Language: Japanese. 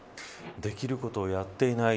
できることをやっていない。